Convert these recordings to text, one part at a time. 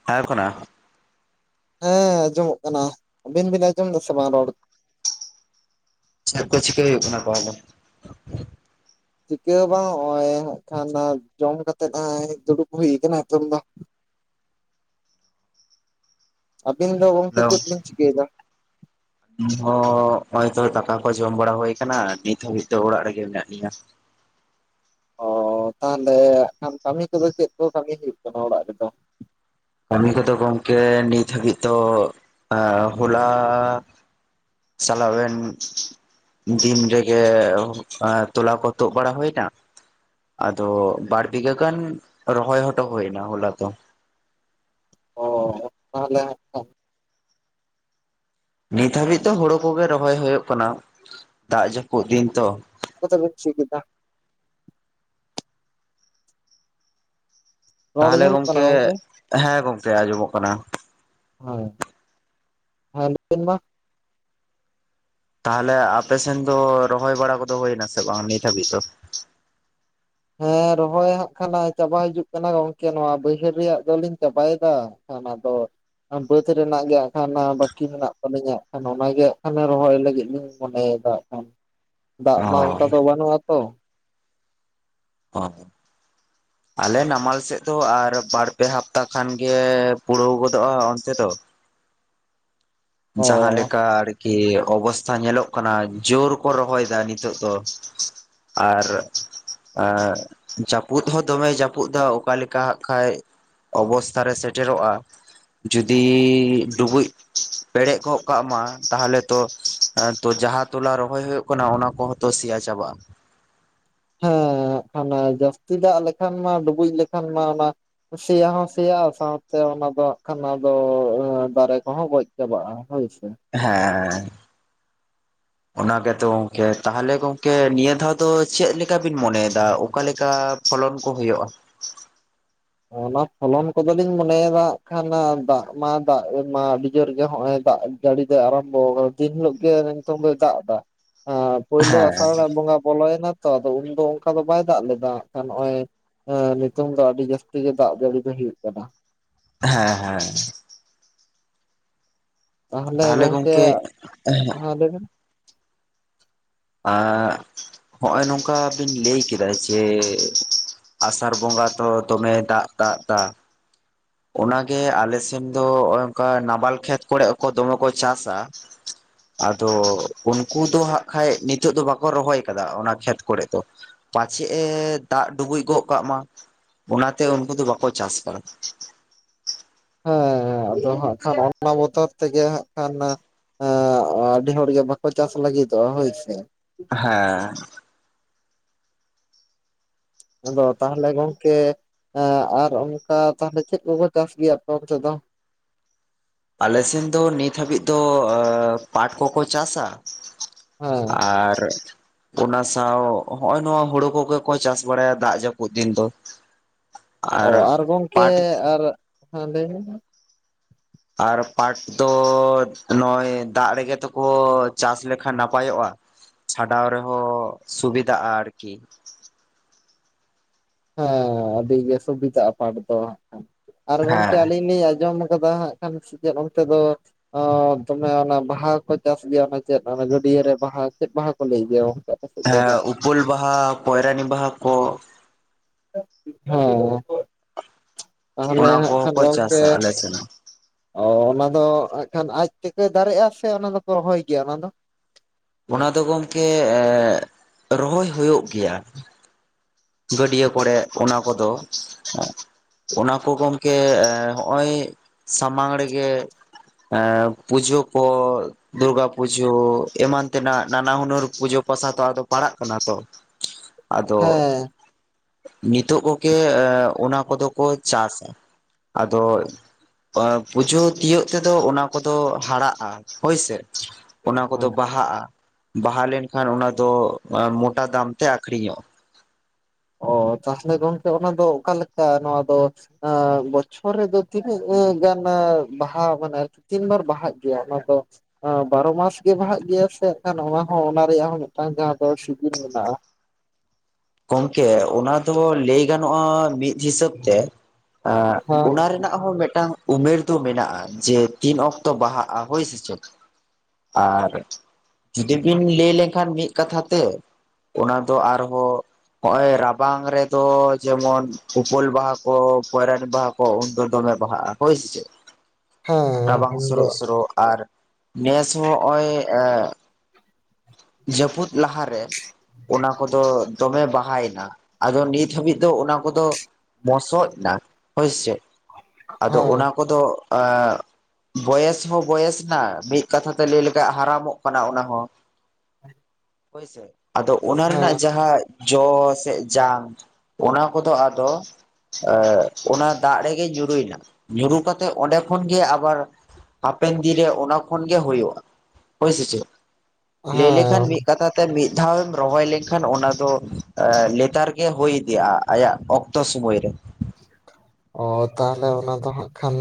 [unintelligible] ᱠᱟᱱᱟᱼᱼ ᱦᱮᱸ ᱟᱸᱡᱚᱢᱚᱜ ᱠᱟᱱᱟ ᱟᱹᱵᱤᱱ ᱵᱤᱱ ᱟᱸᱡᱚᱢ ᱫᱟ ᱥᱮ ᱵᱟᱝ ᱨᱚᱲ? ᱪᱮᱜ ᱠᱚ ᱪᱤᱠᱟᱹᱭ ᱦᱩᱭᱩᱜ ᱠᱟᱱᱟ ᱛᱟᱦᱚᱞᱮ? ᱪᱤᱠᱟᱹ ᱦᱚ ᱵᱟᱝ ᱱᱚᱜ-ᱚᱸᱭ ᱦᱟᱸᱜ ᱠᱷᱟᱱ ᱡᱚᱢ ᱠᱟᱛᱮᱫ ᱦᱟᱸᱭ ᱫᱩᱲᱩᱵ ᱦᱩᱭ ᱠᱟᱱᱟ ᱱᱤᱛᱚᱝ ᱫᱚ᱾ ᱟᱵᱤᱱ ᱫᱚ ᱜᱚᱝᱠᱮ ᱪᱮᱫ ᱵᱤᱱ ᱪᱤᱠᱟᱹᱭ ᱫᱟ? ᱞᱤᱧ ᱦᱚᱸ ᱱᱚᱜ-ᱚᱸᱭ ᱛᱚ ᱫᱟᱠᱟ ᱠᱚ ᱡᱚᱢ ᱵᱟᱲᱟ ᱦᱚᱭ ᱠᱟᱱᱟ ᱟᱻ ᱱᱤᱛ ᱦᱟᱹᱵᱤᱡ ᱛᱮ ᱚᱲᱟᱜ ᱨᱮᱜᱮ ᱢᱮᱱᱟᱜ ᱞᱤᱧᱟ᱾ ᱚᱻ ᱛᱟᱦᱚᱞᱮ ᱠᱷᱟᱱ ᱠᱟᱢᱤ ᱠᱚᱫᱚ ᱪᱮᱫ ᱠᱚ ᱠᱟᱢᱤ ᱦᱩᱭᱩᱜ ᱠᱟᱱᱟ ᱚᱲᱟᱜ ᱨᱮᱫᱚ? ᱠᱟᱢᱤ ᱠᱚᱫᱚ ᱜᱚᱝᱠᱮ ᱱᱤᱛ ᱦᱟᱹᱵᱤᱡ ᱫᱚ ᱦᱚᱞᱟᱼᱼ ᱪᱟᱞᱟᱣᱮᱱᱼᱼ ᱫᱤᱱ ᱨᱮᱜᱮ ᱮᱸ ᱛᱚᱞᱟ ᱠᱚ ᱛᱩᱜ ᱵᱟᱲᱟ ᱦᱚᱭ ᱱᱟ᱾ ᱟᱫᱚ ᱵᱟᱨ ᱵᱤᱜᱷᱟᱹ ᱜᱟᱱ ᱨᱚᱦᱚᱭ ᱦᱚᱴᱚ ᱦᱚᱭ ᱱᱟ ᱦᱚᱞᱟ ᱫᱚ᱾ ᱚᱻ ᱛᱟᱦᱚᱞᱮ ᱠᱷᱟᱱᱼᱼ ᱱᱤᱛ ᱦᱟᱹᱵᱤᱡ ᱫᱚ ᱦᱳᱲᱳ ᱠᱚᱜᱮ ᱨᱚᱦᱚᱭ ᱦᱚᱭᱚᱜ ᱠᱟᱱᱟ ᱫᱟᱜ ᱡᱟᱹᱯᱩᱜ ᱫᱤᱱ ᱛᱚ᱾ ᱪᱤᱠᱟᱹᱛᱮ ᱵᱮᱱ ᱪᱷᱤ ᱠᱮᱫᱟ? ᱨᱚᱲ ᱛᱟᱦᱚᱞᱮ ᱟᱸᱡᱚᱢᱚᱜ ᱠᱟᱱᱟ ᱜᱚᱢᱠᱮ ᱜᱚᱝᱠᱮ? ᱦᱮᱸ ᱜᱚᱢᱠᱮ ᱟᱸᱡᱚᱢᱚᱜ ᱠᱟᱱᱟ᱾ ᱦᱚᱭ ᱦᱮᱸ ᱞᱮᱱ ᱢᱟ? ᱛᱟᱦᱚᱞᱮ ᱟᱯᱮ ᱥᱮᱱ ᱫᱚ ᱨᱚᱦᱚᱭ ᱵᱟᱲᱟ ᱠᱚᱫᱚ ᱦᱩᱭ ᱱᱟ ᱥᱮ ᱵᱟᱝ ᱱᱤᱛ ᱦᱟᱹᱵᱤᱡ ᱫᱚ? ᱦᱮᱸ ᱨᱚᱦᱚᱭ ᱦᱟᱸᱜ ᱠᱷᱟᱱᱟ ᱪᱟᱵᱟ ᱦᱤᱡᱩᱜ ᱠᱟᱱᱟ ᱜᱚᱝᱠᱮ ᱱᱚᱣᱟ ᱵᱟᱹᱭᱦᱟᱹᱲ ᱨᱮᱭᱟᱜ ᱫᱚᱞᱤᱧ ᱪᱟᱵᱟ ᱭᱮᱫᱟ᱾ ᱠᱷᱟᱱ ᱟᱫᱚᱼᱼ ᱵᱟᱹᱫ ᱨᱮᱱᱟᱜ ᱜᱮ ᱦᱟᱸᱜ ᱠᱷᱟᱱ ᱦᱟᱸ ᱵᱟᱹᱠᱤ ᱢᱮᱱᱟᱜ ᱛᱟᱹᱞᱤᱧᱟ ᱟᱸᱜ ᱠᱷᱟᱱ ᱚᱱᱟ ᱜᱮ ᱟᱸᱜ ᱠᱷᱟᱱ ᱨᱚᱦᱚᱭ ᱞᱟᱹᱜᱤᱫ ᱞᱤᱧ ᱢᱚᱱᱮᱭ ᱫᱟ ᱟᱸᱜᱠᱷᱟᱱ ᱫᱟᱜ ᱢᱟ ᱚ ᱚᱱᱠᱟ ᱫᱚ ᱵᱟᱹᱱᱩᱜᱼᱟ ᱛᱚ [inaudible] [unintelligible] ᱟᱞᱮ ᱱᱟᱢᱟᱞ ᱥᱮᱜ ᱫᱚ ᱟᱨ ᱵᱟᱨ ᱯᱮ ᱦᱟᱯᱛᱟ ᱠᱷᱟᱱ ᱜᱮ ᱯᱩᱲᱟᱹᱣ ᱜᱚᱫᱚᱜᱼᱟ ᱚᱱᱛᱮ ᱫᱚ ᱚ ᱡᱟᱦᱟᱸᱞᱮᱠᱟ ᱠᱤ ᱚᱵᱚᱥᱛᱟ ᱧᱮᱞᱚᱜ ᱠᱟᱱᱟ ᱡᱳᱨ ᱠᱚ ᱨᱚᱦᱚᱭ ᱫᱟ ᱱᱤᱛᱳᱜ ᱫᱚ ᱟᱨ ᱮᱸᱜ ᱡᱟᱹᱯᱩᱫ ᱦᱚᱸ ᱫᱚᱢᱮ ᱡᱟᱹᱯᱩᱫ ᱫᱟ ᱚᱠᱟᱞᱮᱠᱟ ᱦᱟᱸᱜ ᱠᱷᱟᱭ ᱚᱵᱚᱥᱛᱟ ᱨᱮ ᱥᱮᱴᱮᱨᱚᱜᱼᱟ ᱡᱩᱫᱤ ᱰᱩᱵᱩᱡ ᱯᱮᱲᱮᱡ ᱠᱚᱜ ᱠᱟᱜ ᱢᱟ ᱛᱟᱦᱞᱮ ᱛᱚ [inaudible] ᱡᱟᱦᱟᱸ ᱛᱚᱞᱟ ᱨᱚᱦᱚᱭ ᱦᱩᱭᱩᱜ ᱠᱟᱱᱟ ᱚᱱᱟ ᱠᱚᱦᱚᱸ ᱛᱚ ᱥᱤᱭᱟ ᱪᱟᱵᱟᱜᱼᱟ ᱦᱮᱸ ᱟᱱᱟ ᱡᱟᱹᱥᱛᱤ ᱫᱟᱜ ᱞᱮᱠᱷᱟᱱ ᱢᱟ ᱰᱩᱵᱩᱡ ᱞᱮᱠᱷᱟᱱ ᱢᱟ ᱚᱱᱟ ᱥᱮᱭᱟ ᱦᱚᱸ ᱥᱮᱭᱟᱜ-ᱟ ᱥᱟᱶᱛᱮ ᱚᱱᱟ ᱫᱚ [inaudible] ᱫᱚ ᱫᱟᱨᱮ ᱠᱚᱦᱚᱸ ᱜᱚᱡ ᱪᱟᱵᱟᱜ-ᱟ ᱦᱳᱭ ᱥᱮ ᱦᱮᱸ [unintelligible] ᱚᱱᱟ ᱜᱮᱛᱚ ᱜᱚᱢᱠᱮ ᱛᱟᱦᱞᱮ ᱜᱚᱝᱠᱮ ᱱᱤᱭᱟᱹ ᱫᱷᱟᱣ ᱫᱚ ᱪᱮᱫᱞᱮᱠᱟ ᱵᱤᱱ ᱢᱚᱱᱮᱭᱮᱫᱟ ᱚᱠᱟᱞᱮᱠᱟ ᱯᱷᱚᱞᱚᱱ ᱠᱚ ᱦᱳᱭᱳᱜᱼᱟ ᱚᱱᱟ ᱯᱷᱚᱞᱚᱱ ᱠᱚᱫᱚᱞᱤᱧ ᱢᱚᱱᱮᱭᱫᱟ ᱟᱸᱜ ᱠᱷᱟᱱ ᱫᱟᱜ ᱢᱟ ᱫᱟᱜ ᱢᱟ ᱟᱹᱰᱤ ᱡᱳᱨ ᱜᱮ ᱦᱚᱜᱼᱚᱭ ᱫᱟᱜ ᱟᱹᱰᱤ ᱫᱚᱭ ᱟᱨᱟᱢᱵᱚ ᱠᱟᱫᱟ ᱫᱤᱱ ᱦᱤᱞᱳᱜ ᱜᱮ ᱱᱤᱛᱚᱝ ᱫᱚᱭ ᱫᱟᱜ ᱫᱟ ᱮᱻ ᱯᱳᱭᱞᱳ ᱦᱮᱸ ᱟᱥᱟᱲ ᱨᱮᱱᱟᱜ ᱵᱚᱸᱜᱟ ᱵᱚᱞᱚᱭᱱᱟ ᱛᱚ ᱟᱫᱚ ᱩᱱᱫᱚ ᱚᱱᱠᱟ ᱫᱚ ᱵᱟᱭ ᱫᱟᱜ ᱞᱮᱫᱟ ᱠᱷᱟᱱ ᱱᱚᱜ-ᱚᱭ ᱱᱤᱛᱚᱝ ᱫᱚ ᱟᱹᱰᱤ ᱡᱟᱹᱥ ᱛᱤᱜᱮ ᱫᱟᱜ ᱡᱟᱹᱲᱤ ᱫᱚᱭ ᱦᱩᱭᱩᱜ ᱠᱟᱱᱟ᱾ ᱦᱮᱸ ᱦᱮᱸ ᱛᱟᱦᱚᱞᱮ ᱜᱚᱝᱠᱮ ᱦᱮᱸ ᱞᱟᱹᱭᱵᱤᱱ [inaudible] ᱦᱚᱜᱼᱚᱭ ᱱᱚᱝᱠᱟ ᱵᱤᱱ ᱞᱟᱹᱭ ᱠᱮᱫᱟ ᱡᱮ ᱟᱥᱟᱲ ᱵᱚᱸᱜᱟ ᱫᱚ ᱫᱚᱢᱮᱭ ᱫᱟᱜ ᱫᱟᱜ ᱫᱟ ᱚᱱᱟᱜᱮ ᱟᱞᱮᱥᱮᱱ ᱫᱚ ᱚᱱᱠᱟ ᱱᱟᱵᱟᱞ ᱠᱷᱮᱛ ᱠᱚᱨᱮ ᱦᱚᱠᱚ ᱫᱚᱢᱮ ᱠᱚ ᱪᱟᱥᱟ [unintelligible] ᱟᱫᱚ ᱩᱱᱠᱩ ᱫᱚ ᱦᱟᱸᱜ ᱠᱷᱟᱡ ᱱᱤᱛᱚᱜ ᱫᱚ ᱵᱟᱠᱚ ᱨᱚᱦᱚᱭ ᱠᱟᱫᱟ ᱚᱱᱟ ᱠᱷᱮᱛ ᱠᱚᱨᱮᱜ ᱫᱚ ᱯᱟᱸᱪᱷᱮᱜ ᱮ ᱫᱟᱜ ᱰᱩᱵᱩᱡ ᱜᱚᱜ ᱠᱟᱜ ᱢᱟ ᱚᱱᱟᱛᱮ ᱩᱱᱠᱩ ᱫᱚ ᱵᱟᱠᱚ ᱪᱟᱥ ᱠᱟᱫᱟ ᱦᱮᱸ ᱟᱫᱚ ᱦᱟᱸᱜ ᱠᱷᱟᱱ ᱚᱱᱟ ᱵᱚᱛᱚᱨ ᱛᱮᱜᱮ ᱦᱟᱸᱜ ᱠᱷᱟᱱ ᱱ [unintelligible] ᱟᱹᱰᱤ ᱦᱚᱲᱜᱮ ᱵᱟᱠᱚ ᱪᱟᱥ ᱞᱟᱹᱜᱤᱫᱚᱜᱼᱟ ᱦᱳᱭᱥᱮ ᱦᱮᱸ ᱟᱫᱚ ᱛᱟᱦᱚᱞᱮ ᱜᱚᱢᱠᱮ ᱮᱸᱜ ᱟᱨ ᱚᱱᱠᱟ ᱛᱟᱦᱞᱮ ᱪᱮᱫ ᱠᱚᱠᱚ ᱪᱟᱥ ᱜᱮᱭᱟ ᱟᱯᱮ ᱚᱱᱛᱮ ᱫᱚ ᱟᱞᱮ ᱥᱮᱱ ᱫᱚ ᱱᱤᱛ ᱦᱟᱹᱵᱤᱡ ᱫᱚ [inaudible] ᱯᱟᱴ ᱠᱚᱠᱚ ᱪᱟᱥᱼᱟ ᱦᱮᱸ ᱟᱨ ᱚᱱᱟ ᱥᱟᱶ ᱦᱚᱸᱜ-ᱚᱭ ᱱᱚᱣᱟ ᱦᱳᱲᱳ ᱠᱚᱜᱮ ᱠᱚ ᱪᱟᱥ ᱵᱟᱲᱟᱭᱟ ᱫᱟᱜ ᱡᱟᱹᱯᱩᱫ ᱫᱤᱱ ᱫᱚ ᱚ ᱟᱨ ᱜᱚᱢᱠᱮ ᱯᱟᱴ ᱟᱨ ᱦᱮᱸ ᱞᱟᱹᱭ ᱵᱤᱱ ᱟᱨ ᱯᱟᱴ ᱫᱚ ᱱᱚᱭ ᱫᱟᱜ ᱨᱮᱜᱮ ᱛᱮᱠᱚ ᱪᱟᱥ ᱞᱮᱠᱷᱟᱱ ᱱᱟᱯᱟᱭᱚᱜᱼᱟ᱾ ᱪᱷᱟᱰᱟᱣ ᱨᱮᱦᱚᱸ ᱥᱩᱵᱤᱫᱟᱜᱼᱟ ᱟᱨᱠᱤ ᱦᱮᱸ ᱟᱹᱰᱤ ᱜᱮ ᱥᱩᱵᱤᱫᱟᱜᱼᱟ ᱯᱟᱴ ᱫᱚ ᱟᱨ ᱜᱚᱢᱠᱮ ᱦᱮᱸ ᱟᱹᱞᱤᱧ ᱞᱤᱧ ᱟᱸᱡᱚᱢ ᱠᱟᱫᱟ ᱦᱟᱸᱜ [inaudible] ᱥᱮᱪᱮᱫ ᱚᱱᱛᱮ ᱫᱚ ᱚ ᱫᱚᱢᱮ ᱚᱱᱟ ᱵᱟᱦᱟ ᱠᱚ ᱪᱟᱥ ᱜᱮᱭᱟ ᱪᱮᱫ ᱜᱟᱹᱰᱭᱟᱹ ᱨᱮ ᱵᱟᱦᱟ ᱪᱮᱫ ᱵᱟᱦᱟ ᱠᱚ ᱞᱟᱹᱭ ᱜᱮᱭᱟ ᱟᱯᱮ ᱥᱮᱫ ᱫᱚ ᱦᱮᱸ ᱚᱱᱟ ᱫᱚ ᱩᱯᱟᱹᱞ ᱵᱟᱦᱟ ᱯᱚᱭᱨᱟᱱᱤ ᱵᱟᱦᱟ ᱠᱚ ᱦᱮ ᱛᱟᱦᱚᱞᱮ ᱚᱱᱟ ᱦᱟᱸᱜ ᱠᱚᱦᱚᱸ ᱠᱷᱟᱱ ᱠᱚ ᱜᱚᱝᱠᱮ ᱪᱟᱥᱟ ᱟᱞᱮ ᱥᱮᱱ ᱚ ᱚᱱᱟ ᱫᱚ ᱦᱟᱸᱜ ᱠᱷᱟᱱ ᱟᱡ ᱛᱮᱠᱮ ᱫᱟᱨᱮᱜᱼᱟ ᱥᱮ ᱚᱱᱟ ᱫᱚ ᱯᱮ ᱨᱚᱦᱚᱭ ᱜᱮᱭᱟ ᱚᱱᱟ ᱫᱚ ᱚᱱᱟ ᱫᱚ ᱜᱚᱢᱠᱮ ᱮ ᱨᱚᱦᱚᱭ ᱦᱳᱭᱳᱜ ᱜᱮᱭᱟ᱾ ᱜᱟᱹᱰᱭᱟᱹ ᱠᱚᱲᱮ ᱚᱱᱟ ᱠᱚᱫᱚ ᱚᱱᱟ ᱠᱚ ᱜᱚᱢᱠᱮ ᱦᱚᱜ ᱚᱭ ᱥᱟᱢᱟᱝ ᱨᱮᱜᱮ ᱮᱸ ᱯᱩᱡᱳ ᱠᱚ ᱫᱩᱨᱜᱟ ᱯᱩᱡᱟᱹ ᱡᱳ ᱮᱢᱟᱱ ᱛᱮᱱᱟᱜ ᱱᱟᱱᱟ ᱦᱩᱱᱟᱹᱨ ᱯᱩᱡᱟᱹ ᱯᱟᱥᱟ ᱛᱚ ᱟᱫᱚ ᱯᱟᱲᱟᱜ ᱠᱟᱱᱟ ᱛᱚ ᱟᱫᱚ ᱦᱮᱸ ᱱᱤᱛᱚᱜ ᱠᱚ ᱜᱮ ᱚᱱᱟ ᱠᱚᱫᱚ ᱠᱚ ᱪᱟᱥ ᱟᱫᱚ ᱟ ᱯᱩᱡᱳ ᱛᱤᱭᱳᱜ ᱛᱮᱫᱚ ᱚᱱᱟ ᱠᱚᱫᱚ ᱦᱟᱲᱟᱜᱼᱟ ᱦᱳᱭᱥᱮ ᱚᱱᱟ ᱚ ᱠᱚᱫᱚ ᱵᱟᱦᱟᱜᱼᱟ ᱵᱟᱦᱟ ᱞᱮᱱᱠᱷᱟᱱ ᱚᱱᱟ ᱫᱚ ᱢᱚᱴᱟ ᱫᱟᱢ ᱛᱮ ᱟᱠᱷᱨᱤᱧᱚᱜᱼᱟ ᱚ ᱛᱟᱦᱚᱞᱮ ᱜᱚᱝᱠᱮ ᱚᱱᱟ ᱫᱚ ᱚᱠᱟᱞᱮᱠᱟ ᱱᱚᱣᱟ ᱫᱚ ᱟ ᱵᱚᱪᱷᱚᱨ ᱨᱮ ᱫᱚ ᱛᱤᱱᱟᱹᱜ ᱜᱟᱱ ᱵᱟᱦᱟᱣ ᱢᱟᱱᱮ ᱛᱤᱱ ᱵᱟᱨ ᱵᱟᱦᱟᱜ ᱜᱮᱭᱟ ᱚᱱᱟ ᱫᱚ ᱦᱟᱸ ᱵᱟᱨᱚ ᱢᱟᱥ ᱜᱮ ᱵᱟᱦᱟᱜ ᱜᱮᱭᱟ ᱥᱮ ᱠᱷᱟᱱ ᱚᱱᱟ ᱦᱚᱸ ᱚᱱᱟ ᱨᱮᱭᱟᱜ ᱦᱚᱸ ᱢᱤᱫᱴᱟᱝ ᱡᱟᱦᱟᱸ ᱫᱚ ᱥᱤᱵᱤᱞ ᱢᱮᱱᱟᱜᱼᱟ ᱜᱚᱝᱠᱮ ᱚᱱᱟ ᱫᱚ ᱞᱟᱹᱭ ᱜᱟᱱᱚᱜᱼᱟ ᱢᱤᱫ ᱦᱤᱥᱟᱹᱵ ᱛᱮ ᱟᱸᱜ ᱦᱮᱸ ᱚᱱᱟᱨᱮ ᱨᱮᱱᱟᱜ ᱦᱚᱸ ᱢᱮᱫᱴᱟᱝ ᱩᱢᱮᱨ ᱫᱚ ᱢᱮᱱᱟᱜᱼᱟ ᱡᱮ ᱛᱤᱱ ᱚᱠᱛᱚ ᱵᱟᱦᱟᱜᱼᱟ ᱦᱳᱭ ᱥᱮ ᱪᱮᱫ ᱟᱨ ᱡᱩᱫᱤ ᱵᱤᱱ ᱞᱮᱭ ᱞᱮᱱᱠᱷᱟᱱ ᱢᱤᱜ ᱠᱟᱛᱷᱟ ᱛᱮ ᱚᱱᱟ ᱫᱚ ᱟᱨᱦᱚᱸ ᱱᱚᱜᱼᱚᱭ ᱨᱟᱵᱟᱝ ᱨᱮᱫᱚ ᱡᱮᱢᱚᱱ ᱩᱯᱟᱹᱞ ᱵᱟᱦᱟ ᱠᱚ ᱯᱚᱭᱨᱟᱱᱤ ᱵᱟᱦᱟ ᱠᱚ,, ᱠᱚ ᱩᱱᱤᱫᱚ ᱫᱚᱢᱮ ᱵᱟᱦᱟᱼᱟ ᱦᱳᱭ ᱥᱮ [inaudible] ᱦᱮᱸ ᱨᱟᱵᱟᱝ ᱩᱱᱫᱚ ᱥᱳᱨᱳᱜ ᱥᱳᱨᱳᱜ ᱟᱨ ᱱᱮᱥ ᱦᱚᱸ ᱦᱚᱸᱜᱼᱚᱭ ᱡᱟᱹᱯᱩᱫ ᱞᱟᱦᱟᱨᱮ ᱚᱱᱟ ᱠᱚᱫᱚ ᱫᱚᱢᱮ ᱵᱟᱦᱟᱭᱮᱱᱟ ᱟᱫᱚ ᱱᱤᱛ ᱦᱟᱹᱵᱤᱡ ᱫᱚ ᱚᱱᱟ ᱠᱚᱫᱚ ᱢᱚᱥᱚᱡ ᱱᱟ ᱦᱳᱭᱥᱮ ᱟᱫᱚ ᱦᱮᱸ ᱚᱱᱟ ᱠᱚᱫᱚ ᱟᱸ ᱵᱚᱭᱮᱥ ᱦᱚᱸ ᱵᱚᱭᱮᱥ ᱱᱟ ᱢᱤᱜ ᱠᱟᱛᱷᱟ ᱛᱮ ᱞᱟᱹᱭ ᱞᱮᱠᱷᱟᱡ ᱦᱟᱨᱟᱢᱚᱜ ᱠᱟᱱᱟ ᱚᱱᱟ ᱦᱚᱸ ᱦᱳᱭᱥᱮ ᱟᱫᱚ ᱚᱱᱟ ᱦᱮᱸ ᱨᱮᱱᱟᱜ ᱡᱟᱦᱟᱸ ᱡᱚ ᱥᱮ ᱡᱟᱝ ᱚᱱᱟ ᱠᱚᱫᱚ ᱟᱫᱚ ᱟᱹᱜ ᱚᱱᱟ ᱫᱟᱜ ᱲᱴᱨᱮᱜᱮ ᱧᱩᱨᱩᱭᱮᱱᱟ ᱧᱩᱨᱩ ᱠᱟᱛᱮᱜ ᱚᱸᱰᱮ ᱠᱷᱚᱱᱜᱮ ᱟᱵᱟᱨ ᱦᱟᱯᱮᱱ ᱫᱤᱱ ᱨᱮ ᱚᱱᱟ ᱠᱷᱚᱱ ᱜᱮ ᱦᱳᱭᱳᱜᱼᱟ ᱦᱳᱭ ᱥᱮ ᱪᱮᱜ ᱞᱟᱹᱭ ᱦᱮᱸ ᱞᱮᱠᱷᱟᱱ ᱢᱤᱫ ᱠᱟᱛᱷᱟ ᱛᱮ ᱢᱤᱫ ᱫᱷᱟᱣᱮᱢ ᱨᱚᱦᱚᱭ ᱞᱮᱱᱠᱷᱟᱱ ᱚᱱᱟ ᱫᱚ ᱞᱮᱛᱟᱨ ᱜᱮ ᱦᱳᱭ ᱤᱫᱤᱜᱼᱟ ᱟᱭᱟᱜ ᱚᱠ ᱛᱚ ᱥᱩᱢᱟᱹᱭ ᱨᱮ ᱚ ᱛᱟᱦᱚᱞᱮ ᱚᱱᱟ ᱫᱚ ᱦᱟᱸᱜ ᱠᱷᱟᱱ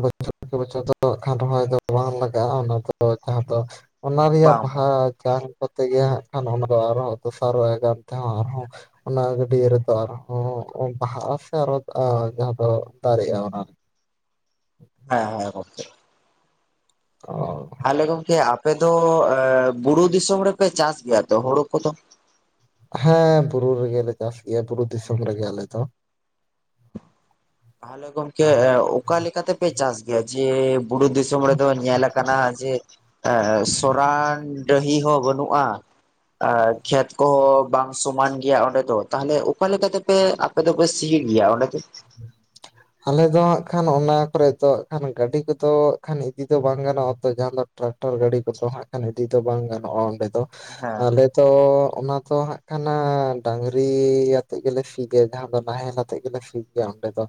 ᱵᱚᱪᱷᱚᱨᱠᱮ ᱵᱚᱪᱷᱚᱨ ᱫᱚ ᱠᱷᱟᱱ ᱨᱚᱦᱚᱭ ᱫᱚ ᱵᱟᱝ ᱞᱟᱜᱟᱜᱼᱟ ᱚᱱᱟ ᱫᱚ ᱡᱟᱦᱟᱸ ᱫᱚ ᱚᱱᱟ ᱨᱮᱭᱟᱜ ᱵᱟᱝ ᱵᱟᱦᱟ ᱵᱟᱝ ᱡᱟᱝ ᱠᱚᱛᱮ ᱜᱮ ᱦᱟᱸᱜ ᱠᱷᱟᱱ ᱚᱱᱟ ᱫᱚ ᱟᱨᱦᱚᱸ ᱫᱚᱥᱟᱨᱚᱜ ᱮ ᱜᱟᱱ ᱛᱮᱦᱚᱸ ᱟᱨᱦᱚᱸ ᱚᱱᱟ ᱜᱟᱹᱰᱭᱟᱹ ᱨᱮᱛᱚ ᱟᱨᱦᱚᱸ ᱵᱟᱦᱟᱜᱼᱟ ᱥᱮ ᱟᱨ ᱡᱟᱦᱟᱸ ᱫᱚ ᱫᱟᱨᱮᱜᱼᱟ ᱚᱱᱟ ᱦᱮᱸ ᱦᱮᱸ ᱜᱚᱢᱠᱮ ᱚ ᱛᱟᱦᱞᱮ ᱜᱚᱝᱠᱮ ᱟᱯᱮ ᱫᱚ ᱵᱩᱨᱩ ᱫᱤᱥᱚᱢ ᱨᱮᱯᱮ ᱪᱟᱥ ᱜᱮᱭᱟ ᱛᱚ ᱦᱳᱲᱳ ᱠᱚᱫᱚ ᱦᱮᱸ ᱵᱩᱨᱩ ᱨᱮᱜᱮᱞᱮ ᱪᱟᱥ ᱜᱮᱭᱟ ᱵᱩᱨᱩ ᱫᱤᱥᱚᱢ ᱨᱮᱜᱮ ᱟᱞᱮ ᱫᱚ ᱛᱟᱦᱚᱞᱮ ᱜᱚᱝᱠᱮ ᱚᱠᱟᱞᱮᱠᱟ ᱛᱮᱯᱮ ᱪᱟᱥ ᱜᱮᱭᱟ ᱡᱮ ᱵᱩᱲᱩ ᱫᱤᱥᱚᱢ ᱨᱮ ᱫᱚ ᱧᱮᱞ ᱟᱠᱟᱱᱟ ᱡᱮ ᱥᱚᱨᱟᱱ ᱰᱟᱹᱦᱤ ᱦᱚᱸ ᱵᱟᱹᱱᱩᱜᱼᱟ ᱟᱨ ᱠᱷᱮᱛ ᱠᱚᱦᱚᱸ ᱵᱟᱝ ᱥᱚᱢᱟᱱ ᱜᱮᱭᱟ ᱚᱸᱰᱮ ᱫᱚ ᱛᱟᱦᱚᱞᱮ ᱚᱠᱟᱞᱮᱠᱟ ᱛᱮᱯᱮ ᱟᱯᱮ ᱫᱚᱯᱮ ᱥᱤᱭᱮᱰ ᱜᱮᱭᱟ ᱚᱸᱰᱛᱮ ᱟᱞᱮ ᱫᱚ ᱦᱟᱸᱜ ᱠᱷᱟᱱ ᱚᱱᱟ ᱠᱚᱨᱮ ᱫᱚ ᱦᱟᱸᱜ ᱠᱷᱟᱱ ᱜᱟᱹᱰᱤ ᱠᱚᱫᱚ ᱠᱷᱟᱱ ᱤᱫᱤ ᱫᱚ ᱵᱟᱝ ᱜᱟᱱᱚᱜᱼᱟ ᱛᱚ ᱡᱟᱦᱟᱸ ᱫᱚ ᱴᱨᱟᱠᱴᱟᱨ ᱜᱟᱹᱲᱤ ᱠᱚᱫᱚ ᱦᱟᱸᱜ ᱠᱷᱟᱱ ᱤᱫᱤ ᱫᱚ ᱵᱟᱝ ᱜᱟᱱᱚᱜᱼᱟ ᱚᱸᱰᱮ ᱫᱚ ᱦᱮᱸ ᱟᱞᱮ ᱛᱚ ᱚᱱᱟ ᱫᱚ ᱦᱟᱸᱜ ᱠᱷᱟᱱᱟ ᱰᱟᱝᱨᱤ ᱟᱛᱮᱜ ᱜᱮᱞᱮ ᱥᱤᱭ ᱜᱮᱭᱟ ᱡᱟᱦᱟᱸ ᱫᱚ ᱱᱟᱦᱮᱞᱟᱛᱮ ᱛᱮᱜ ᱜᱮᱞᱮ ᱥᱤ ᱜᱮᱭᱟ ᱚᱸᱰᱮ ᱫᱚ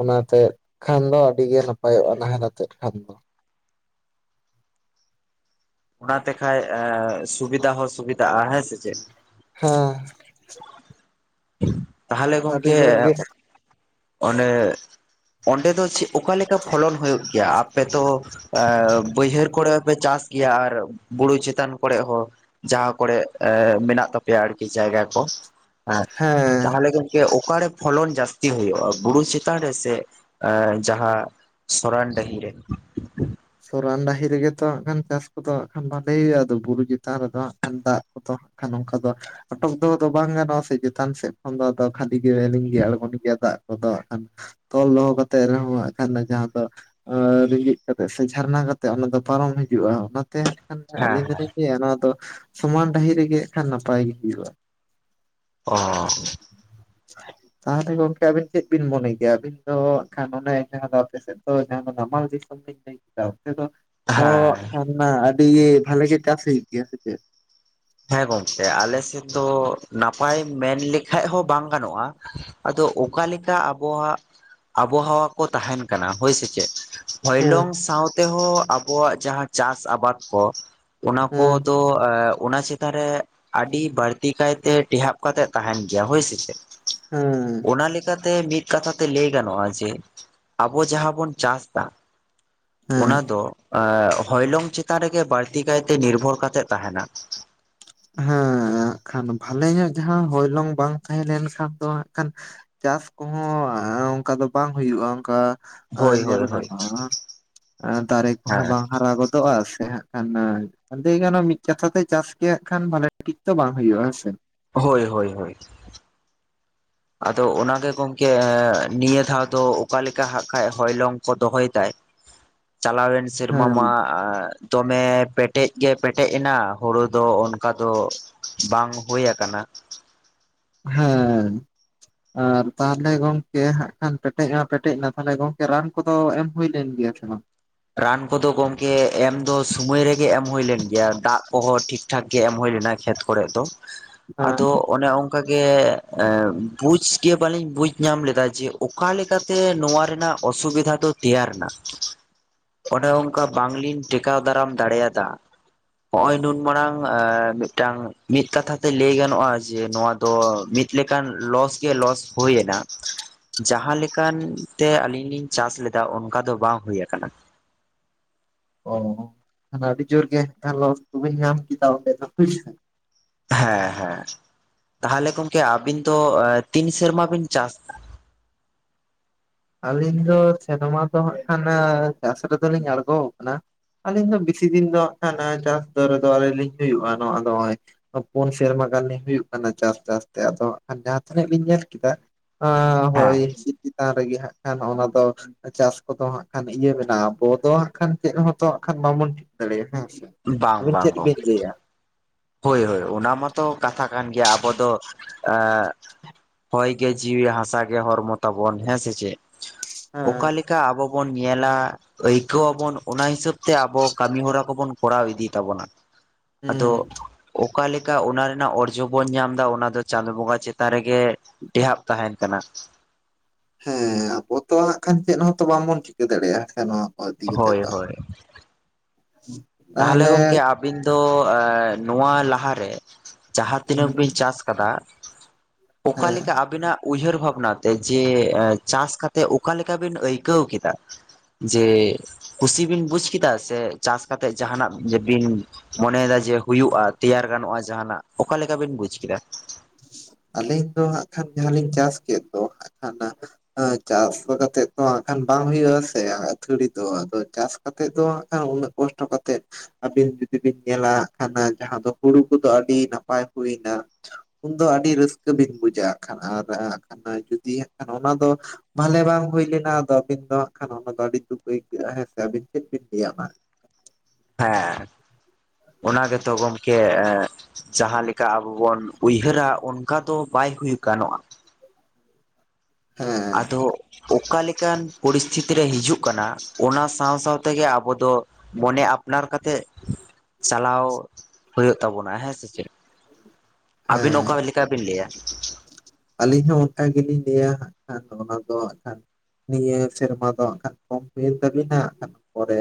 ᱚᱱᱟᱛᱮᱜ ᱠᱷᱟᱱ ᱫᱚ ᱟᱹᱰᱤ ᱜᱮ ᱱᱟᱯᱟᱭᱚᱜᱼᱟ ᱱᱟᱦᱮᱞ ᱟᱛᱮᱫ ᱠᱷᱟᱱ ᱫᱚ ᱚᱱᱟᱛᱮᱠᱟᱡ ᱥᱩᱵᱤᱫᱟ ᱦᱚᱸ ᱥᱩᱵᱤᱫᱷᱟᱜᱼᱟ ᱦᱮᱸ ᱥᱮ ᱪᱮᱫ ᱦᱮᱸ ᱛᱟᱦᱚᱞᱮ ᱟᱹᱰᱤ ᱜᱚᱝᱠᱮ ᱡᱳᱨ ᱜᱮ ᱚᱱᱮ ᱚᱸᱰᱮ ᱫᱚ ᱪᱮᱫ ᱚᱠᱟᱞᱮᱠᱟ ᱯᱷᱚᱞᱚᱱ ᱦᱳᱭᱳᱜ ᱜᱮᱭᱟ ᱟᱯᱮ ᱛᱚ ᱵᱟᱹᱭᱦᱟᱹᱲ ᱠᱚᱨᱮ ᱦᱚᱸᱯᱮ ᱪᱟᱥ ᱜᱮᱭᱟ ᱟᱨ ᱵᱩᱨᱩ ᱪᱮᱛᱟᱱ ᱠᱚᱨᱮ ᱦᱚᱸ ᱡᱟᱦᱟᱸ ᱠᱚᱨᱮᱜ ᱢᱮᱱᱟᱜ ᱛᱟᱯᱮᱭᱟ ᱟᱨᱠᱤ ᱡᱟᱭᱜᱟ ᱠᱚ ᱦᱮᱸ ᱛᱟᱦᱚᱞᱮ ᱜᱚᱢᱠᱮ ᱚᱠᱟᱨᱮ ᱯᱷᱚᱞᱚᱱ ᱡᱟᱹᱥᱛᱤ ᱦᱩᱭᱩᱜᱼᱟ ᱵᱩᱨᱩ ᱪᱮᱛᱟᱱ ᱨᱮ ᱥᱮ ᱡᱟᱦᱟᱸ ᱥᱚᱨᱟᱱ ᱰᱟᱹᱦᱤ ᱨᱮ ᱥᱚᱨᱟᱱ ᱰᱟᱹᱦᱤ ᱨᱮᱜᱮ ᱛᱚ ᱦᱟᱜ ᱠᱷᱟᱱ ᱪᱟᱥ ᱠᱚᱫᱚ ᱦᱟᱜ ᱠᱷᱟᱱ ᱵᱷᱟᱞᱮ ᱦᱩᱭᱩᱜᱼᱟ ᱟᱫᱚ ᱵᱩᱨᱩ ᱪᱮᱛᱟᱱ ᱨᱮᱫᱚ ᱦᱟᱜ ᱠᱷᱟᱱ ᱫᱟᱜ ᱠᱚᱫᱚ ᱠᱷᱟᱱ ᱚᱱᱠᱟ ᱫᱚ ᱟᱴᱚᱠ ᱫᱚ ᱟᱫᱚ ᱵᱟᱝ ᱜᱟᱱᱚᱜᱼᱟ ᱥᱮ ᱪᱮᱛᱟᱱ ᱥᱮᱫ ᱠᱷᱚᱱ ᱫᱚ ᱠᱷᱟᱹᱞᱤ ᱜᱮ ᱞᱤᱹᱜᱤ ᱟᱬᱜᱚᱱ ᱜᱮᱭᱟ ᱫᱟᱜ ᱠᱚᱫᱚ ᱦᱟᱸᱜ ᱠᱷᱟᱱ ᱛᱚᱞ ᱫᱚᱦᱚ ᱠᱟᱛᱮᱜ ᱨᱮᱦᱚᱸ ᱦᱟᱜ ᱠᱷᱟᱱ ᱡᱟᱦᱟᱸ ᱫᱚ ᱨᱮᱸᱜᱤᱡ ᱠᱟᱛᱮ ᱥᱮ ᱡᱷᱟᱨᱱᱟ ᱠᱟᱛᱮᱫ ᱚᱱᱟ ᱫᱚ ᱯᱟᱨᱚᱢ ᱦᱤᱡᱩᱜᱼᱟ ᱚᱱᱟᱛᱮ ᱦᱟᱸᱜ ᱠᱷᱟᱱ ᱟᱹᱞᱤᱧ ᱦᱮᱸ ᱫᱚᱞᱤᱧ ᱞᱟᱹᱭᱟ ᱱᱚᱣᱟ ᱫᱚ ᱥᱚᱢᱟᱱ ᱰᱟᱹᱦᱤ ᱨᱮᱜᱮ ᱦᱟᱸᱜ ᱠᱷᱟᱱ ᱱᱟᱯᱟᱭ ᱜᱮ ᱦᱩᱭᱩᱜᱼᱟ ᱚ ᱛᱟᱦᱚᱞᱮ ᱜᱚᱝᱠᱮ ᱟᱵᱤᱱ ᱪᱮᱫ ᱵᱤᱱ ᱢᱚᱱᱮ ᱠᱮᱭᱟ ᱟᱹᱵᱤᱱ ᱫᱚ ᱠᱷᱟᱱ ᱡᱟᱦᱟ ᱫᱚ ᱟᱯᱮ ᱥᱮᱫ ᱱᱟᱢᱟᱞ ᱫᱤᱥᱟᱹᱢ [unintelligible] [unintelligible] ᱚ ᱦᱮᱸ ᱦᱟᱸᱜ ᱠᱷᱟᱱ ᱟᱹᱰᱤ ᱵᱷᱟᱞᱮ ᱜᱮ ᱪᱟᱥ ᱦᱩᱭᱩᱜ ᱜᱮᱭᱟ ᱥᱮ ᱪᱮᱫ ᱦᱮᱸ ᱜᱚᱝᱠᱮ ᱟᱞᱮᱥᱮᱫ ᱫᱚ ᱱᱟᱯᱟᱭ ᱢᱮᱱ ᱞᱮᱠᱷᱟᱡ ᱦᱚᱸ ᱵᱟᱝ ᱜᱟᱱᱚᱜᱼᱟ ᱟᱫᱚ ᱚᱠᱟ ᱞᱮᱠᱟ ᱟᱵᱚᱣᱟᱜ ᱟᱵᱚᱦᱟᱣᱟ ᱠᱚ ᱛᱟᱦᱮᱱ ᱠᱟᱱᱟ ᱦᱳᱭ ᱥᱮ ᱪᱮᱫ ᱦᱚᱭᱞᱚᱝ ᱦᱮᱸ ᱥᱟᱶᱛᱮᱦᱚᱸ ᱟᱵᱚᱣᱟᱜ ᱡᱟᱦᱟᱸ ᱪᱟᱥ ᱟᱵᱟᱫ ᱠᱚ ᱚᱱᱟ ᱦᱮᱸ ᱠᱚᱛᱚ ᱚᱱᱟ ᱪᱮᱛᱟᱨ ᱨᱮ ᱟᱹᱰᱤ ᱵᱟᱹᱲᱛᱤ ᱠᱟᱭᱛᱮ ᱴᱮᱦᱟᱯ ᱠᱟᱛᱮᱫ ᱛᱟᱦᱮᱱ ᱜᱮᱭᱟ ᱦᱳᱭ ᱥᱮ ᱪᱮᱫ ᱦᱩᱸ ᱚᱱᱟ ᱞᱮᱠᱟᱛᱮ ᱢᱤᱫ ᱠᱟᱛᱷᱟ ᱛᱮ ᱞᱟᱹᱭ ᱜᱟᱱᱚᱜᱼᱟ ᱡᱮ ᱟᱵᱚ ᱡᱟᱦᱟᱸ ᱵᱚᱱ ᱪᱟᱥ ᱮᱫᱟ ᱦᱮᱸ ᱚᱱᱟ ᱫᱚ ᱦᱚᱭᱞᱚᱝ ᱪᱮᱛᱟᱱ ᱨᱮᱜᱮ ᱵᱟᱹᱲᱛᱤ ᱠᱟᱭᱛᱮ ᱱᱤᱨᱵᱷᱚᱨ ᱠᱟᱛᱮᱜ ᱛᱟᱦᱮᱱᱟ ᱦᱮᱸ ᱦᱟᱸᱜ ᱠᱷᱟᱱ ᱵᱷᱟᱞᱮ ᱧᱚᱜ ᱡᱟᱦᱟᱸ ᱦᱚᱭᱞᱚᱝ ᱵᱟᱝ ᱛᱟᱦᱮᱸ ᱞᱮᱱᱠᱷᱟᱱ ᱫᱚ ᱦᱟᱸᱜ ᱠᱷᱟᱱ ᱪᱟᱥ ᱠᱚᱦᱚᱸ ᱚᱱᱠᱟ ᱫᱚ ᱵᱟᱝ ᱦᱩᱭᱩᱜᱼᱟ ᱚᱱᱠᱟ ᱮᱸ ᱦᱳᱭ ᱧᱮᱞ ᱦᱳᱭ ᱦᱳᱭ ᱜᱟᱱᱚᱜ ᱟ ᱮᱸ ᱫᱟᱨᱮ ᱠᱚ ᱦᱚᱸ ᱦᱮᱸ ᱵᱟᱝ ᱦᱟᱨᱟ [unintelligible] ᱜᱚᱫᱚᱜ ᱟ ᱥᱮ ᱦᱟᱸᱜ ᱠᱷᱟᱱ ᱟᱸᱫᱚ ᱜᱟᱱᱚᱜᱼᱟ ᱢᱤᱫ ᱠᱟᱛᱷᱟᱛᱮ ᱪᱟᱥ ᱜᱮ ᱠᱷᱟᱱ ᱵᱷᱟᱞᱮ ᱴᱷᱤᱠ ᱛᱮ ᱵᱟᱝ ᱦᱩᱭᱩᱜᱼᱟ ᱦᱮᱸᱥᱮ ᱦᱳᱭ ᱦᱳᱭ ᱦᱳᱭ ᱟᱫᱚ ᱚᱱᱟᱜᱮ ᱜᱚᱝᱠᱮ ᱱᱤᱭᱟᱹ ᱫᱷᱟᱣ ᱫᱚ ᱚᱠᱟᱞᱮᱠᱟ ᱦᱟᱜ ᱠᱷᱟᱱ ᱦᱚᱭᱞᱚᱝ ᱠᱚ ᱫᱚᱦᱚᱭ ᱮᱫᱟᱭ ᱪᱟᱞᱟᱣᱮᱱ ᱥᱮᱨᱢᱟ ᱦᱮᱸ ᱢᱟ ᱫᱚᱢᱮ ᱯᱮᱴᱮᱡ ᱜᱮ ᱯᱮᱴᱮᱡ ᱮᱱᱟ ᱦᱳᱲᱳ ᱫᱚ ᱚᱱᱠᱟ ᱫᱚ ᱵᱟᱝ ᱦᱳᱭ ᱟᱠᱟᱱᱟ ᱦᱮᱸ ᱟᱨ ᱛᱟᱦᱚᱞᱮ ᱜᱚᱢᱠᱮ ᱦᱟᱸᱜ ᱠᱷᱟᱱ ᱯᱮᱴᱮᱡᱼᱟ ᱯᱮᱴᱮᱡ ᱮᱱᱟ ᱛᱟᱦᱚᱞᱮ ᱜᱚᱢᱠᱮ ᱨᱟᱱ ᱠᱚ ᱮᱢ ᱦᱩᱭ ᱞᱮᱱ ᱜᱮᱭᱟ ᱥᱮ ᱵᱟᱝ ᱨᱟᱱ ᱠᱚᱫᱚ ᱜᱚᱝᱠᱮ ᱮᱢ ᱫᱚ ᱥᱩᱢᱟᱹᱭ ᱨᱮᱜᱮ ᱮᱢ ᱦᱳᱭᱞᱮᱱ ᱜᱮᱭᱟ ᱫᱟᱜ ᱠᱚᱦᱚᱸ ᱴᱷᱤᱠ ᱴᱷᱤᱠ ᱴᱷᱟᱠ ᱜᱮ ᱮᱢ ᱦᱳᱭ ᱞᱮᱱᱟ ᱠᱷᱮᱛ ᱠᱚᱨᱮ ᱫᱚ ᱦᱮᱸ ᱟᱫᱚ ᱚᱱᱮ ᱚᱱᱠᱟ ᱜᱮ ᱵᱩᱡᱽ ᱜᱮ ᱵᱟᱹᱞᱤᱧ ᱵᱩᱡᱽ ᱧᱟᱢ ᱞᱮᱫᱟ ᱡᱮ ᱚᱠᱟ ᱞᱮᱠᱟᱛᱮ ᱱᱚᱣᱟ ᱨᱮᱱᱟᱜ ᱚᱥᱩᱵᱤᱫᱷᱟ ᱫᱚ ᱛᱮᱭᱟᱨ ᱮᱱᱟ ᱚᱱᱮ ᱚᱱᱠᱟ ᱵᱟᱝᱞᱤᱧ ᱴᱮᱠᱟᱣ ᱫᱟᱨᱟᱢ ᱫᱟᱲᱮᱭᱟᱫᱟ ᱦᱚᱜ ᱚᱭ ᱱᱩᱱ ᱢᱟᱨᱟᱲᱟᱝ ᱢᱤᱫᱴᱟᱝ ᱢᱤᱫ ᱠᱟᱛᱷᱟ ᱛᱮ ᱞᱟᱹᱭ ᱜᱟᱱᱚᱜᱼᱟ ᱡᱮ ᱱᱚᱣᱟ ᱛᱚ ᱢᱤᱫ ᱞᱮᱠᱟᱱ ᱞᱚᱥ ᱜᱮ ᱞᱚᱥ ᱦᱳᱭ ᱮᱱᱟ ᱡᱟᱦᱟᱸᱞᱮᱠᱟᱱ ᱛᱮ ᱟᱹᱞᱤᱧ ᱞᱤᱧ ᱪᱟᱥ ᱞᱮᱫᱟ ᱚᱱᱠᱟ ᱫᱚ ᱵᱟᱝ ᱦᱳᱭ ᱟᱠᱟᱱᱟ ᱚ ᱟᱹᱰᱤ ᱡᱳᱨ ᱜᱮ ᱞᱚᱥ ᱠᱚᱵᱮᱱ ᱧᱟᱢ ᱠᱮᱫᱟ ᱚᱸᱰᱮ ᱫᱚ ᱦᱮᱸ ᱦᱮᱸ ᱛᱟᱦᱚᱞᱮ ᱜᱚᱝᱠᱮ ᱟᱵᱤᱱ ᱫᱚ ᱛᱤᱱ ᱥᱮᱨᱢᱟ ᱵᱤᱱ ᱪᱟᱥ ᱫᱟ? ᱟᱹᱞᱤᱧ ᱫᱚ ᱥᱮᱨᱢᱟ ᱫᱚ ᱦᱟᱜ ᱠᱷᱟᱱ ᱪᱟᱥ ᱨᱮᱫᱚᱞᱤᱧ ᱟᱬᱜᱚ ᱟᱠᱟᱱᱟ ᱟᱹᱞᱤᱧ ᱫᱚ ᱵᱮᱥᱤ ᱫᱤᱱ ᱫᱚ ᱪᱟᱥ ᱫᱚ ᱨᱮᱫᱚ ᱟᱹᱞᱤᱧ ᱞᱤᱧ ᱦᱩᱭᱩᱜᱼᱟ ᱱᱚᱜ ᱱᱚᱜᱚᱭ ᱯᱩᱱ ᱥᱮᱨᱢᱟ ᱜᱟᱱ ᱦᱩᱭᱩᱜ ᱠᱟᱱᱟ ᱪᱟᱥ ᱪᱟᱥ ᱛᱮ ᱟᱫᱚ ᱡᱟᱦᱟᱸ ᱛᱤᱱᱟᱹᱜ ᱞᱤᱧ ᱧᱮᱞ ᱠᱮᱫᱟ ᱦᱳᱭ ᱦᱮᱸ ᱦᱚᱸ ᱪᱮᱛᱟᱱ ᱨᱮᱜᱮ ᱦᱟᱸᱜ ᱠᱷᱟᱱ ᱚᱱᱟ ᱫᱚ ᱪᱟᱥ ᱠᱚᱫᱚ ᱦᱟᱸᱜ ᱠᱷᱟᱱ ᱤᱭᱟᱹ ᱢᱮᱱᱟᱜᱼᱟ ᱟᱵᱚ ᱫᱚ ᱦᱟᱸᱜ ᱠᱷᱟᱱ ᱪᱮᱫ ᱦᱚᱸᱛᱚ ᱦᱟᱜ ᱠᱷᱟᱱ ᱵᱟᱵᱚᱱ ᱴᱷᱤᱠ ᱫᱟᱲᱮᱭᱟᱜᱼᱟ᱾ ᱵᱟᱝ ᱟᱵᱤᱱ ᱵᱟᱝ ᱪᱮᱫ ᱵᱤᱱ ᱜᱚᱝᱠᱮ ᱞᱟᱹᱭ -ᱟ? ᱦᱳᱭ ᱦᱳᱭ ᱚᱱᱟ ᱢᱟᱛᱚ ᱠᱟᱛᱷᱟ ᱠᱟᱱ ᱜᱮᱭᱟ ᱟᱵᱚ ᱫᱚ ᱮᱻ ᱦᱚᱭ ᱜᱮ ᱡᱤᱣᱤ ᱦᱟᱥᱟ ᱜᱮ ᱦᱚᱲᱢᱚ ᱛᱟᱵᱚᱱ ᱦᱮᱸ ᱥᱮ ᱪᱮᱫ ᱚᱠᱟ ᱦᱮᱸ ᱞᱮᱠᱟ ᱟᱵᱚ ᱵᱚᱱ ᱧᱮᱞᱟ ᱟᱹᱭᱠᱟᱹᱣᱟᱵᱚᱱ ᱚᱱᱟ ᱦᱤᱥᱟᱹᱵ ᱛᱮ ᱟᱵᱚ ᱠᱟᱹᱢᱤ ᱦᱚᱨᱟ ᱠᱚᱵᱚᱱ ᱠᱚᱨᱟᱣ ᱤᱫᱤ ᱛᱟᱵᱚᱱᱟ ᱟᱫᱚ ᱦᱮᱸ ᱚᱠᱟᱞᱮᱠᱟ ᱚᱱᱟ ᱨᱮᱱᱟᱜ ᱚᱨᱡᱚ ᱵᱚᱱ ᱧᱟᱢ ᱮᱫᱟ ᱚᱱᱟᱫᱚ ᱪᱟᱸᱫᱳ ᱵᱚᱸᱜᱟ ᱪᱮᱛᱟᱱ ᱨᱮᱜᱮ ᱴᱮᱦᱟᱵ ᱛᱟᱦᱮᱱ ᱠᱟᱱᱟ ᱦᱮᱸ ᱟᱵᱚ ᱛᱚ ᱦᱟᱜ ᱠᱷᱟᱱ ᱪᱮᱫ ᱦᱚᱸᱛᱚ ᱵᱟᱝᱵᱚᱱ ᱪᱤᱠᱟᱹ ᱫᱟᱲᱮᱭᱟᱜᱼᱟ ᱱᱚᱣᱟ ᱟᱹᱰᱤ ᱠᱟᱛᱮ ᱦᱳᱭ ᱫᱚ ᱦᱳᱭ ᱛᱟᱦᱚᱞᱮ ᱜᱚᱢᱠᱮ ᱟᱵᱤᱱ ᱫᱚ ᱱᱚᱣᱟ ᱞᱟᱦᱟᱨᱮ ᱡᱟᱦᱟᱸ ᱛᱤᱱᱟᱹᱜ ᱦᱮᱸ ᱵᱤᱱ ᱪᱟᱥ ᱟᱠᱟᱫᱟ ᱚᱠᱟᱠᱟ ᱞᱮᱠᱟ ᱟᱵ ᱟᱵᱤᱱᱟᱜ ᱩᱭᱦᱟᱹᱨ ᱵᱷᱟᱵᱱᱟᱛᱮ ᱡᱮ ᱪᱟᱥ ᱠᱟᱛᱮᱜ ᱚᱠᱟᱮᱠᱟᱵᱤᱱ ᱟᱹᱭᱠᱟᱹᱣ ᱠᱮᱫᱟ ᱡᱮ ᱠᱩᱥᱤ ᱵᱤᱱ ᱵᱩᱡ ᱠᱮᱫᱟ ᱥᱮ ᱪᱟᱥ ᱠᱟᱛᱮᱜ ᱡᱟᱦᱟᱱᱟᱜ ᱡᱮ ᱵᱤᱱ ᱢᱚᱱᱮᱭᱮᱫᱟ ᱡᱮ ᱦᱩᱭᱩᱜᱼᱟ ᱛᱮᱭᱟᱨ ᱜᱟᱱᱚᱜᱼᱟ ᱡᱟᱦᱟᱱᱟᱜ ᱚᱠᱟᱞᱮᱠᱟᱵᱤᱱ ᱵᱩᱡᱽ ᱠᱮᱫᱟ ᱟᱹᱞᱤᱧ ᱫᱚ ᱦᱟᱸᱜ ᱠᱷᱟᱱ ᱡᱟᱦᱟᱸᱞᱤᱧ ᱪᱟᱥ ᱠᱮᱫ ᱫᱚ ᱦᱟᱸᱜ ᱠᱷᱟᱱ ᱪᱟᱥ ᱠᱟᱛᱮᱜ ᱛᱚ ᱦᱟᱜᱠᱷᱟᱱ ᱵᱟᱝ ᱦᱩᱭᱩᱜ ᱟᱥ ᱟᱹᱛᱷᱟᱹᱲᱤ ᱫᱚ ᱟᱫᱚ ᱪᱟᱥ ᱠᱟᱛᱮᱫ ᱫᱚ ᱦᱟᱜᱠᱷᱟᱱ ᱩᱱᱟᱹᱜ ᱠᱚᱥᱴᱚ ᱠᱟᱛᱮᱫ ᱟᱹᱵᱤᱱ ᱡᱩᱫᱤ ᱵᱤᱱ ᱧᱮᱞᱟ ᱠᱷᱟᱱ ᱡᱟᱦᱟᱸ ᱫᱚ ᱦᱩᱲᱩ ᱠᱚᱫᱚ ᱟᱹᱰᱤ ᱱᱟᱯᱟᱭ ᱦᱩᱭᱱᱟ ᱩᱱᱫᱚ ᱟᱹᱰᱤ ᱨᱟᱹᱥᱠᱟᱹ ᱵᱤᱱ ᱵᱩᱡᱟ ᱟᱜ ᱠᱷᱟᱱ ᱟᱨ ᱦᱟᱜ ᱠᱷᱟᱱ ᱡᱩᱫᱤ ᱦᱟᱸᱜ ᱠᱷᱟᱱ ᱚᱱᱟ ᱫᱚ ᱵᱷᱟᱞᱮ ᱵᱟᱝ ᱦᱩᱭ ᱞᱮᱱᱟ ᱟᱫᱚ ᱟᱹᱵᱤᱱ ᱫᱚ ᱦᱟᱜ ᱠᱷᱟᱱ ᱚᱱᱟ ᱫᱚ ᱟᱹᱰᱤ ᱫᱩᱠ ᱟᱹᱭᱠᱟᱹᱜᱼᱟ ᱦᱮᱸᱥ ᱟᱹᱵᱤᱱ ᱪᱮᱫ ᱵᱤᱱ ᱞᱟᱹᱭᱟ ᱦᱮᱸ ᱚᱱᱟ ᱜᱮᱛᱚ ᱜᱚᱢᱠᱮ ᱡᱟᱦᱟᱸ ᱞᱮᱠᱟ ᱟᱵᱚ ᱵᱚᱱ ᱩᱭᱦᱟᱹᱨᱟ ᱚᱱᱠᱟ ᱫᱚ ᱵᱟᱭ ᱦᱩᱭ ᱜᱟᱱᱚᱜᱼᱟ᱾ ᱦᱮᱸ ᱟᱫᱚ ᱚᱠᱟᱞᱮᱠᱟᱱ ᱯᱚᱨᱤᱥᱛᱷᱤᱛᱤ ᱨᱮ ᱦᱤᱡᱩᱜ ᱠᱟᱱᱟ, ᱚᱱᱟ ᱥᱟᱶ ᱥᱟᱶ ᱛᱮᱜᱮ ᱟᱵᱚ ᱫᱚ ᱢᱚᱱᱮ ᱟᱯᱱᱟᱨ ᱠᱟᱛᱮᱜ ᱪᱟᱞᱟᱣ ᱦᱩᱭᱩᱜ ᱛᱟᱵᱚᱱᱟ ᱦᱮᱸ ᱥᱮ ᱪᱮᱫ ᱦᱮᱸ ᱟᱹᱵᱤᱱ ᱚᱠᱟ ᱞᱮᱠᱟ ᱵᱤᱱ ᱞᱟᱹᱭᱟ ᱟᱹᱞᱤᱧ ᱦᱚᱸ ᱚᱱᱠᱟ ᱜᱮᱞᱤᱧ ᱞᱟᱹᱭᱟ ᱦᱟᱸᱜ ᱠᱷᱟᱱ ᱚᱱᱟ ᱫᱚ ᱦᱟᱸᱜ ᱠᱷᱟᱱ ᱱᱤᱭᱟᱹ ᱥᱮᱨᱢᱟ ᱫᱚ ᱮᱠᱷᱟᱱ ᱠᱚᱢ ᱦᱩᱭᱮᱱ ᱛᱟᱵᱤᱱᱟᱠᱷᱟᱱ ᱯᱚᱨᱮ